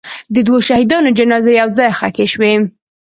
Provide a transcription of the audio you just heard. د دوو شهیدانو جنازې یو ځای ښخ شوې.